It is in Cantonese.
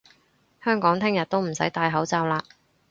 香港聽日都唔使戴口罩嘞！